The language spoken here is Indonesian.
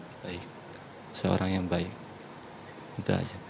orang yang baik seorang yang baik itu aja